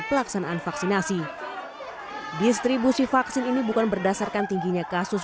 pelaksanaan vaksinasi distribusi vaksin ini bukan berdasarkan tingginya kasus